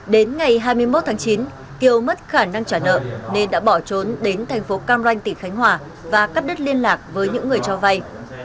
đến ngày hai mươi một tháng chín kiều mất khả năng trả nợ nên đã bỏ trốn đến thành phố cam ranh tỉnh khánh hòa và cắt đứt liên lạc với những người cho vay